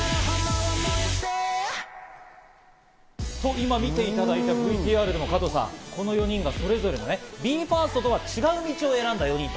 今、見ていただいたＶＴＲでも、この４人がそれぞれＢＥ：ＦＩＲＳＴとは違う道を選んだ４人と。